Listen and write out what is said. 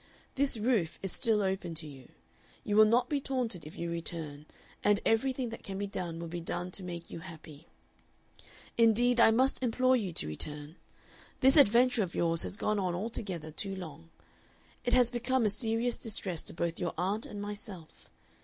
This roof is still open to you. You will not be taunted if you return and everything that can be done will be done to make you happy. "Indeed, I must implore you to return. This adventure of yours has gone on altogether too long; it has become a serious distress to both your aunt and myself.